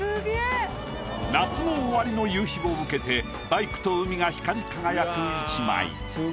夏の終わりの夕日を受けてバイクと海が光り輝く一枚。